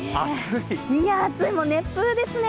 いや、暑い、熱風ですね。